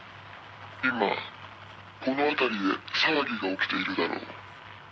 「今この辺りで騒ぎが起きているだろう」「」